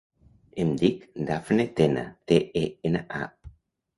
Em dic Dafne Tena: te, e, ena, a.